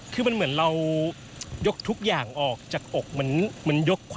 คือมันเหมือนเรายกทุกอย่างออกจากอก